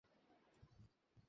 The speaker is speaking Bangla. তুমি তো পরিবারের মত আচরন করছ না।